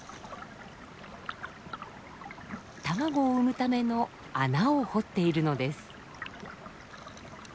卵を産むための穴を掘っているのです。